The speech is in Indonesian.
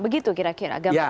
begitu kira kira gambarannya